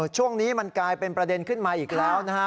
ช่วงนี้มันกลายเป็นประเด็นขึ้นมาอีกแล้วนะฮะ